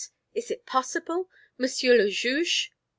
Is it possible? Monsieur le Juge!"